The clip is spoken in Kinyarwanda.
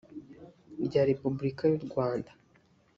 rya repubulika y u rwanda